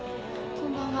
こんばんは。